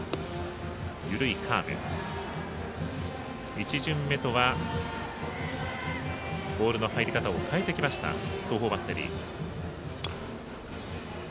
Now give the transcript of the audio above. １巡目とはボールの入り方を変えてきました東邦バッテリー。